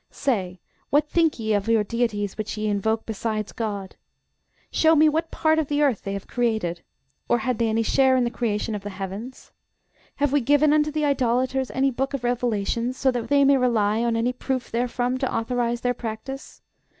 Say, what think ye of your deities which ye invoke besides GOD? Show me what part of the earth they have created. Or had they any share in the creation of the heavens? Have we given unto the idolaters any book of revelations, so that they may rely on any proof therefrom _to authorize their practice?